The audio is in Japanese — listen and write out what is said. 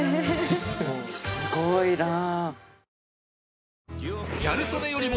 すごいなぁ。